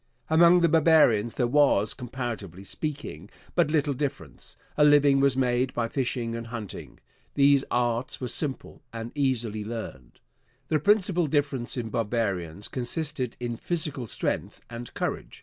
Among the barbarians there was, comparatively speaking, but little difference. A living was made by fishing and hunting. These arts were simple and easily learned. The principal difference in barbarians consisted in physical strength and courage.